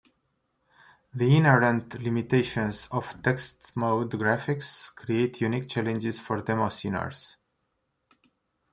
The inherent limitations of text mode graphics create unique challenges for demosceners.